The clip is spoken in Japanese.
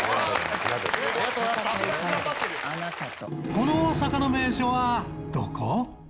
この大阪の名所はどこ？